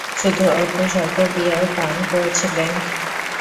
শুধু অল্পস্বল্প বিয়ার পান করেছিলেন?